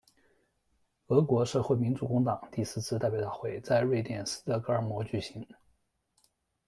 俄国社会民主工党第四次代表大会在瑞典斯德哥尔摩举行。